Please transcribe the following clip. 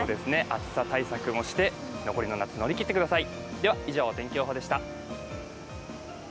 暑さ対策もして、残りの夏、乗り切ってください。